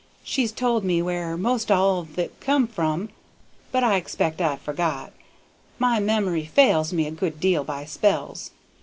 She's told me where 'most all of it come from, but I expect I've forgot. My memory fails me a good deal by spells.